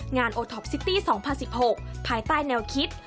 โอท็อปซิตี้๒๐๑๖ภายใต้แนวคิด